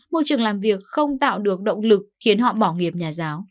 môi trường làm việc không tạo được động lực khiến họ bỏ nghiệp nhà giáo